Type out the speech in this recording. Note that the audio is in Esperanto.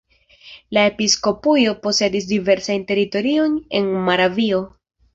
La episkopujo posedis diversajn teritoriojn en Moravio.